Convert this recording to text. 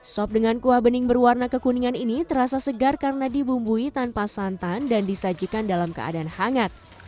sop dengan kuah bening berwarna kekuningan ini terasa segar karena dibumbui tanpa santan dan disajikan dalam keadaan hangat